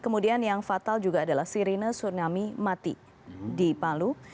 kemudian yang fatal juga adalah sirine tsunami mati di palu